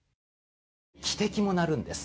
汽笛も鳴るんです。